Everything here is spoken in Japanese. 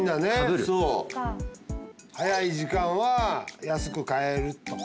早い時間は安く買えるとか。